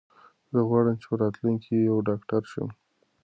زه غواړم چې په راتلونکي کې یو ډاکټر شم.